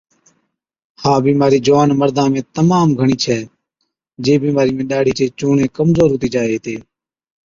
ها بِيمارِي جُوان مردان ۾ تمام گھڻِي ڇَي، جي بِيمارِي ۾ ڏاڙهِي چي چُونڻي ڪمزور هُتِي جائي هِتي،